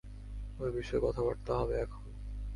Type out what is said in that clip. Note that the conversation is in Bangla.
ঐ বিষয়ে কথাবার্তা হবে এখন।